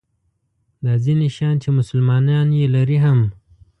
دا ځیني شیان چې مسلمانان یې لري هم.